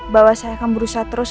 bahwa saya akan berusaha terus